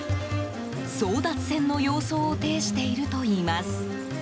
争奪戦の様相を呈しているといいます。